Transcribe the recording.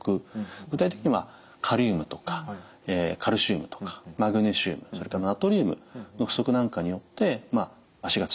具体的にはカリウムとかカルシウムとかマグネシウムそれからナトリウムの不足なんかによって足がつってしまいやすくなります。